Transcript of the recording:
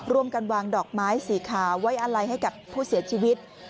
ร่วมกันวางดอกไม้สีขาวไว้อะไรให้กับผู้เสียชีวิต